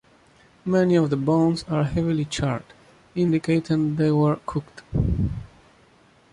Many of the bones are heavily charred, indicating they were cooked.